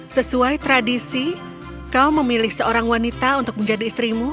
sesuai tradisi kau memilih seorang wanita untuk menjadi istrimu